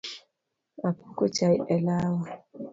Apuko chai e lawa